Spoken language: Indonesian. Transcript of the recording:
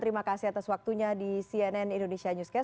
terima kasih atas waktunya di cnn indonesia newscast